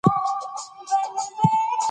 د ونو بې ځایه وهل د وچکالۍ او ګرمۍ لامل ګرځي.